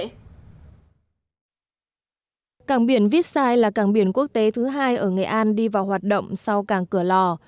cảng biển vít sai là cảng biển quốc tế thứ hai ở nghệ an đi vào hoạt động sau cảng cửa lò